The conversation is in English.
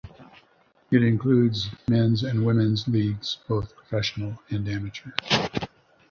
It includes men's and women's leagues, both professional and amateur.